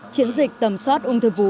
chiến dịch tầm soát ung thư vú